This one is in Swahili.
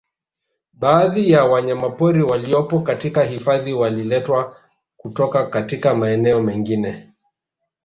Baadhi ya wanyamapori waliopo katika hifadhi waliletwa kutoka katika maeneo mengine